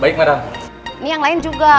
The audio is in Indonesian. ini yang lain juga